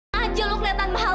apa aja lo kelihatan mahal